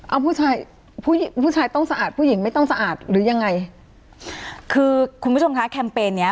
อ้าวผู้ชายต้องสะอาดผู้หญิงไม่ต้องสะอาดหรือยังไง